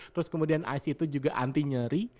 terus kemudian ice itu juga anti nyeri